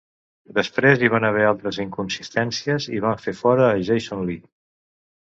Després hi van haver altres inconsistències i van fer fora a Jason Lee.